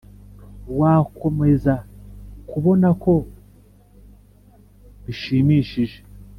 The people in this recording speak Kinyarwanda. wakomeza kubonako bishimishije